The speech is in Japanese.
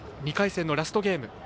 ２回戦のラストゲーム。